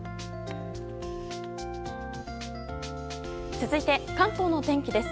続いて関東の天気です。